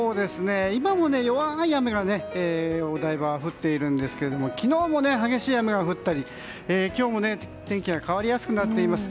今も弱い雨がお台場、降っているんですが昨日も激しい雨が降ったり今日も天気が変わりやすくなっています。